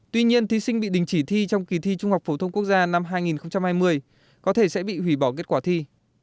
tuy nhiên thí sinh bị đình chỉ thi trong kỳ thi trung học phổ thông quốc gia năm hai nghìn hai mươi có thể sẽ bị hủy bỏ kết quả thi